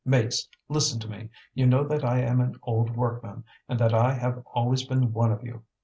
"Mates, listen to me. You know that I am an old workman, and that I have always been one of you.